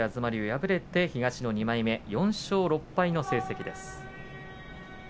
敗れて東の２枚目、４勝６敗の成績です。